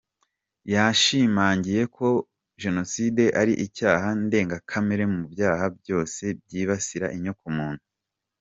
Yashimangiye kandi ko Jenoside ari icyaha ndengakamere mu byaha byose byibasira inyokomuntu.